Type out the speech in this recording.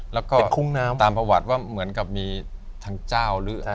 แล้วก็เป็นคุ้งน้ำตามประวัติว่าเหมือนกับมีทางเจ้าหรืออะไร